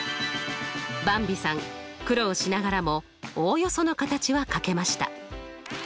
ばんびさん苦労しながらもおおよその形はかけました。